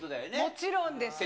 もちろんです。